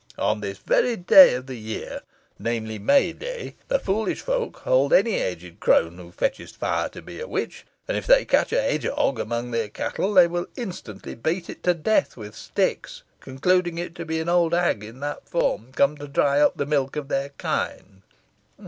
On this very day of the year namely, May Day, the foolish folk hold any aged crone who fetcheth fire to be a witch, and if they catch a hedge hog among their cattle, they will instantly beat it to death with sticks, concluding it to be an old hag in that form come to dry up the milk of their kine."